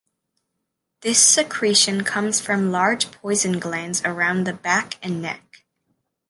This secretion comes from large poison glands around the back and neck.